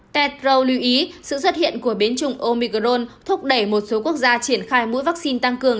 tedro lưu ý sự xuất hiện của biến chủng omicron thúc đẩy một số quốc gia triển khai mũi vaccine tăng cường